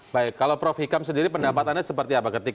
baik kalau prof hikam sendiri pendapatannya seperti apa